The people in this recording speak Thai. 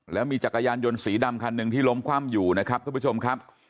แล้วมีจักรยานยนต์สีดำคันหนึ่งที่ล้มคว่ำอยู่นะครับทุกผู้ชมครับ